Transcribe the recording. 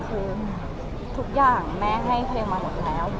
คือทุกอย่างแม่ให้เพลงมาหมดแล้ว